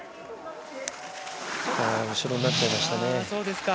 そうですね。